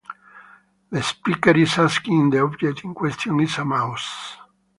The speaker is asking if the object in question is a mouse.